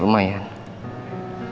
rasanya enak banget dong